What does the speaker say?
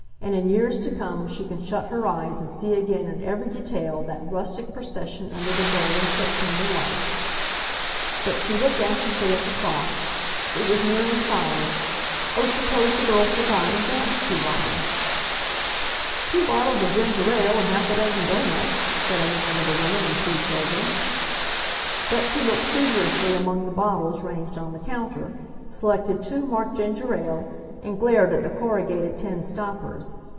and in years to come she can shut her eyes and see again in every detail that rustic procession under the golden, September light. But she looked anxiously at the clock. It was nearing five. Oh, suppose the girl forgot and danced too long! "Two bottles of ginger ale and half a dozen doughnuts," said a man with a woman and three children. Betsy looked feverishly among the bottles ranged on the counter, selected two marked ginger ale, and glared at their corrugated tin stoppers.